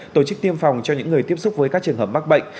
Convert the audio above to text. tổ chức tiêm phòng cho những người tiếp xúc với các trường hợp mắc bệnh